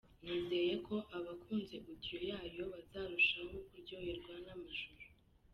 Nizeye ko abakunze Audio yayo bazarushaho kuryoherwa n’amashusho”.